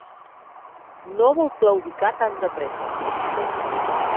No vol claudicar tan de pressa.